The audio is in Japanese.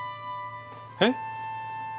えっ？